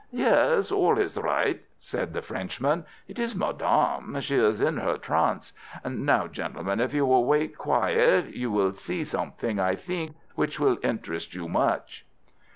"Yes, all is right," said the Frenchman. "It is madame. She is in her trance. Now, gentlemen, if you will wait quiet you will see something, I think, which will interest you much."